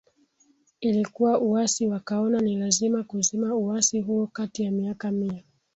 ilikuwa uasi Wakaona ni lazima kuzima uasi huo Kati ya miaka Mia